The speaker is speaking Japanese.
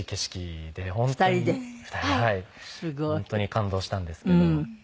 本当に感動したんですけど。